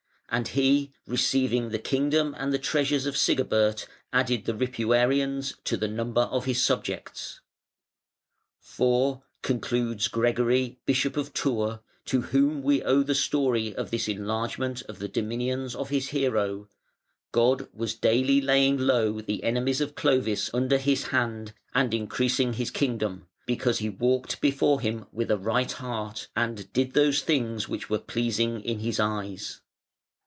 And he receiving the kingdom and the treasures of Sigebert added the Ripuanans to the number of his subjects. "For", concludes Gregory, Bishop of Tours, to whom we owe the story of this enlargement of the dominions of his hero, "God was daily laying low the enemies of Clovis under his hand and increasing his kingdom, because he walked before him with a right heart and did those things which were pleasing in his eyes".